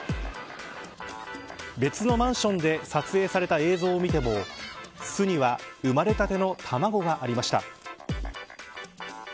別のマンションで撮影された映像を見ても巣には産まれたての卵がありました。